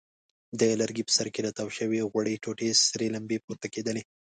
د لرګي په سر کې له تاو شوې غوړې ټوټې سرې لمبې پورته کېدلې.